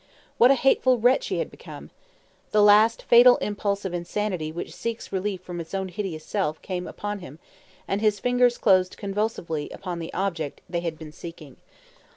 What a hateful wretch he had become! The last fatal impulse of insanity which seeks relief from its own hideous self came upon him, and his fingers closed convulsively upon the object they had been seeking.